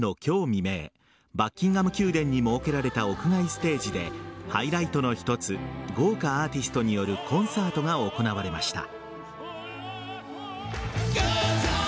未明バッキンガム宮殿に設けられた屋外ステージでハイライトの一つ豪華アーティストによるコンサートが行われました。